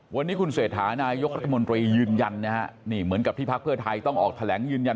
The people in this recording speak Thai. วันนี้คุณเศรษฐานายกรัฐมนตรียืนยันนะฮะนี่เหมือนกับที่พักเพื่อไทยต้องออกแถลงยืนยัน